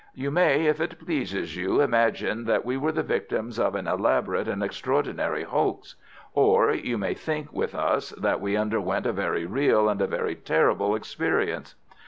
You may, if it pleases you, imagine that we were the victims of an elaborate and extraordinary hoax. Or you may think with us that we underwent a very real and a very terrible experience.